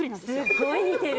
すっごい似てる。